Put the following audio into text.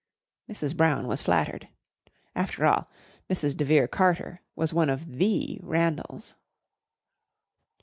Mrs. Brown was flattered. After all, Mrs. de Vere Carter was one of the Randalls.